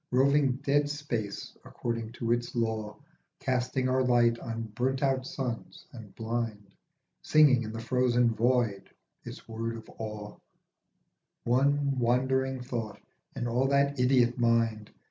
Roving dead space according to its law, Casting our light on burnt out suns and blind, Singing in the frozen void its word of awe, One wandering thought in all that idiot mind.